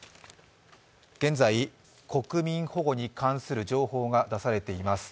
現在、国民保護に関する情報が出されています。